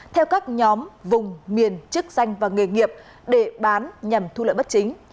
theo các nhóm vùng miền chức danh và nghề nghiệp để bán nhằm thu lợi bất chính